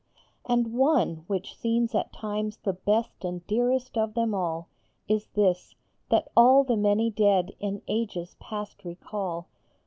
And one, which seems at times the best and dearest of them all, Is this : that all the many dead in ages past recall, 1 14 ON EASTER DA Y.